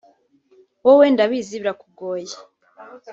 wowe ndabizi birakugoye